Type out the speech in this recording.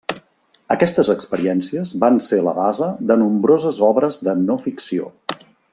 Aquestes experiències van ser la base de nombroses obres de no ficció.